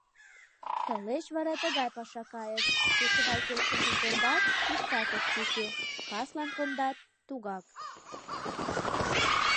Тылеч вара тыгай паша кайыш: кечывал кочкышым кондат — иктат ок тӱкӧ, каслан кондат — тугак.